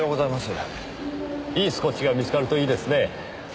いいスコッチが見つかるといいですねぇ。